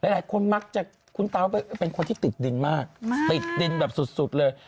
และความมักจะคุ้มเปิดเป็นคนที่ติดดินมากติดดินแบบสุดต่อเลย